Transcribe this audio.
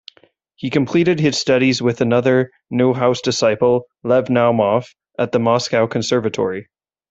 He completed his studies with another Neuhaus disciple, Lev Naumov, at the Moscow Conservatory.